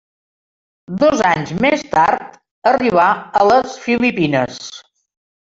Dos anys més tard arribà a les Filipines.